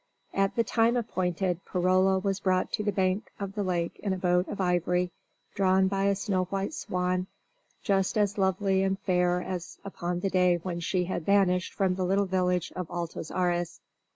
At the time appointed Perola was brought to the bank of the lake in a boat of ivory drawn by a snow white swan, just as fair and lovely as upon the day when she had vanished from the little village of Altos Ares.